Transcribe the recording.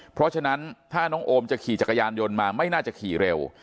เพราะฉะนั้นถ้าน้องโอมจะขี่จักรยานยนต์มาไม่น่าจะขี่เร็ว